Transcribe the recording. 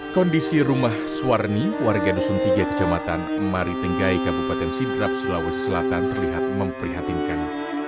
kondisi rumah suwarni warga dosun tiga kejamatan maritenggai kabupaten sidrap sulawesi selatan terlihat memprihatinkan